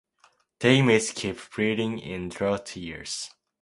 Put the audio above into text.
They may skip breeding in drought years.